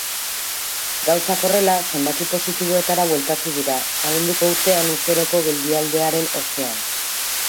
Gauzak horrela, zenbaki positiboetara bueltatu dira, abenduko urtean urteroko geldialdiaren ostean.